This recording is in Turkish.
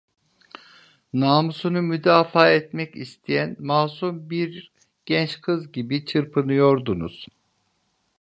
Namusunu müdafaa etmek isteyen masum bir genç kız gibi çırpınıyordunuz.